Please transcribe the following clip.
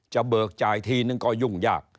เบิกจ่ายทีนึงก็ยุ่งยาก